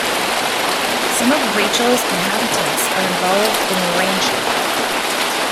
Some of Rachel's inhabitants are involved in ranching.